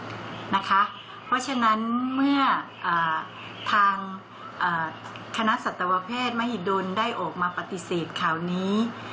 เพราะฉะนั้นเมื่อทางคณะสัตวแพทย์มหิดลได้ออกมาปฏิเสธข่าวนี้